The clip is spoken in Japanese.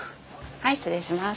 はい失礼します。